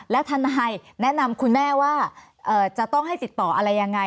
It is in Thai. แล้วทนายแนะนำคุณแม่ว่าจะต้องให้ติดต่ออะไรยังไง